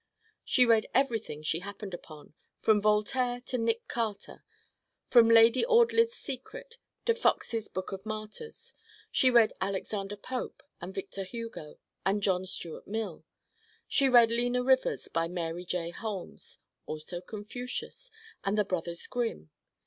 She read everything she happened on from Voltaire to Nick Carter: from 'Lady Audley's Secret' to Fox's Book of Martyrs. She read Alexander Pope and Victor Hugo and John Stuart Mill. She read 'Lena Rivers' by Mary J. Holmes: also Confucius: and the Brothers Grimm.